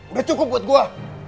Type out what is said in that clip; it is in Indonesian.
udah cukup buat gue